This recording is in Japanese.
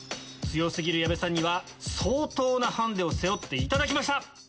強過ぎる矢部さんには相当なハンデを背負っていただきました！